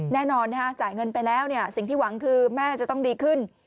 แน่นอนจ่ายเงินไปแล้วสิ่งที่หวังคือแม่จะต้องดีขึ้น